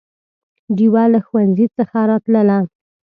ډېوه له ښوونځي څخه راتلله